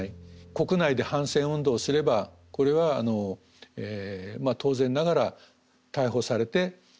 国内で反戦運動をすればこれはまあ当然ながら逮捕されて犯罪者になってしまう。